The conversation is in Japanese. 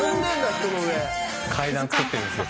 人の上」「階段作ってるんですよ」